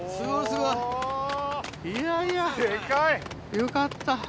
よかった。